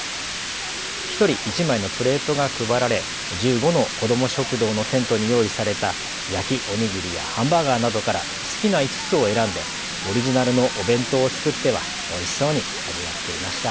１人１枚のプレートが配られ１５の子ども食堂のテントに用意された焼きおにぎりやハンバーガーなどから好きな５つを選んでオリジナルのお弁当を作ってはおいしそうに味わっていました。